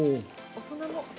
大人も？